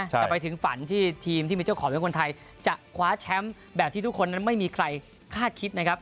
จะไปถึงฝันที่ทีมที่มีเจ้าของเป็นคนไทยจะคว้าแชมป์แบบที่ทุกคนนั้นไม่มีใครคาดคิดนะครับ